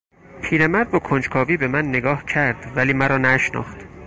پیرمرد با کنجکاوی به من نگاه کرد ولی مرا نشناخت.